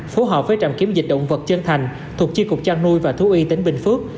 phố họp với trạm kiếm dịch động vật trân thành thuộc chiên cục trang nuôi và thú y tỉnh bình phước